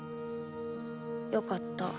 よかった。